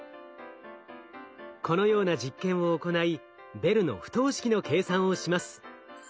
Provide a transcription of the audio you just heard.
このような実験を行いベルの不等式の計算をします。